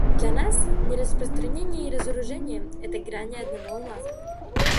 Для нас нераспространение и разоружение — это грани одного алмаза.